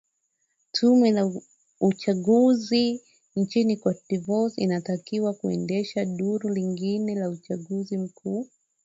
tume ya uchaguzi nchini cote dvoire inatakiwa kuendesha duru lingine la uchaguzi mkuu